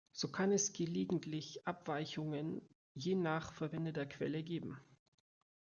So kann es gelegentlich Abweichungen, je nach verwendeter Quelle geben.